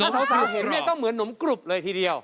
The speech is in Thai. ถ้าสาวเห็นต้องเหมือนหนมกรุบเลยทีเดียว